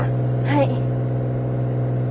はい。